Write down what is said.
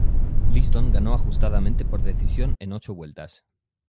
Liston ganó ajustadamente por decisión en ocho vueltas.